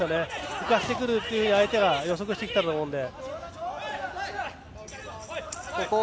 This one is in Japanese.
浮かせてくると相手が予測してきたと思うので。